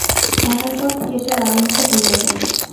তাহার পর থিয়েটার আরম্ভ হইয়া গেল।